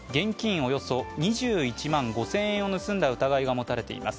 およそ２１万５０００円を盗んだ疑いが持たれています。